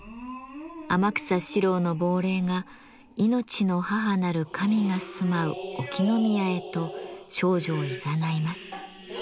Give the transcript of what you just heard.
天草四郎の亡霊がいのちの母なる神が住まう沖宮へと少女をいざないます。